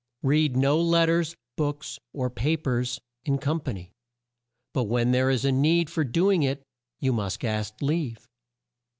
"Read no let ters, books, or pa pers in com pa ny; but when there is a need for do ing it, you must ask leave.